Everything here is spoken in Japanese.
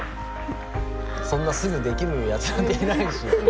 そんなすぐできるやつなんていないし。